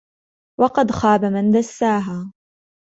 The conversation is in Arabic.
وَقَدْ خَابَ مَنْ دَسَّاهَا